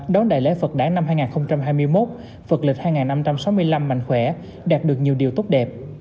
đón đại lễ phật đảng năm hai nghìn hai mươi một phật lịch hai năm trăm sáu mươi năm mạnh khỏe đạt được nhiều điều tốt đẹp